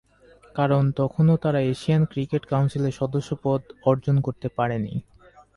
কারণ তখনও তারা এশিয়ান ক্রিকেট কাউন্সিল এর সদস্যপদ অর্জন করতে পারে নি।